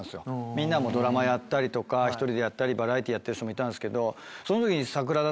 みんなもうドラマやったりとか１人でやったりバラエティーやってる人もいたんですけど。